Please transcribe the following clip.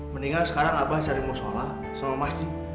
mendingan sekarang abah cari mau sholat sama masjid